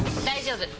大丈夫！